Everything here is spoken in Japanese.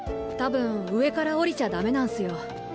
たぶん上から下りちゃダメなんすよ。